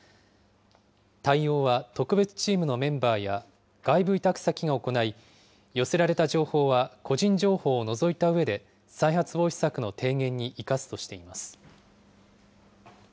対応は特別チームのメンバーや、外部委託先が行い、寄せられた情報は個人情報を除いたうえで、再発防止策の提言に生かすとしています。